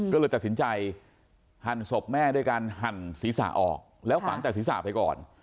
ก็เลยตัดสินใจหั่นศพแม่ด้วยการหั่นศีรษะออกแล้วฝังแต่ศีรษะไปก่อน